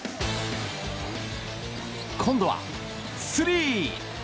今度は、スリー！